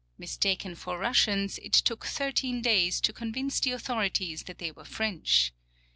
Mis taken for Russians, it took 13 days to convince the authorities that they were French.